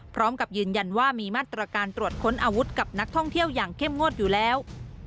พร้อมกับยืนยันว่ามีมาตรการตรวจค้นอาวุธกับนักท่องเที่ยวอย่างเข้มงวดอยู่แล้ว